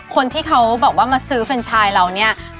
คนที่เขาบอกว่ามาซื้อเฟรนชายเราเนี่ย